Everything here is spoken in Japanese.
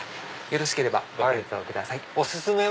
よろしければご検討ください。